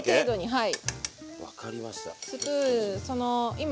はい。